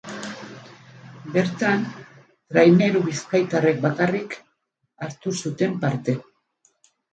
Bertan traineru bizkaitarrek bakarrik hartu zuten parte.